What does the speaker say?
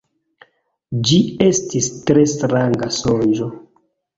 Ĝi estis tre stranga sonĝo.